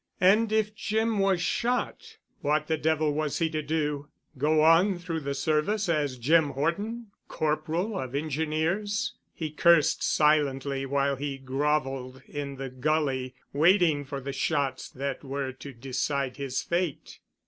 And if Jim was shot, what the devil was he to do? Go on through the service as Jim Horton, Corporal of Engineers? He cursed silently while he groveled in the gully waiting for the shots that were to decide his fate.